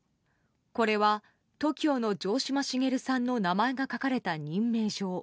これは、ＴＯＫＩＯの城島茂さんの名前が書かれた任命状。